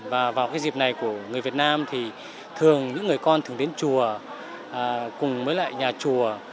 và vào cái dịp này của người việt nam thì thường những người con thường đến chùa cùng với lại nhà chùa